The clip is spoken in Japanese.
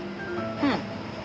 うん。